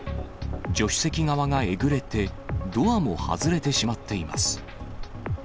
助手席側がえぐれて、ドアも外れてしまっています。